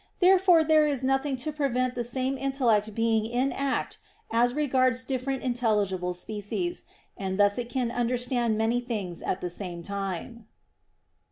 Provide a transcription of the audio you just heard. Therefore there is nothing to prevent the same intellect being in act as regards different intelligible species, and thus it can understand many things at the same time.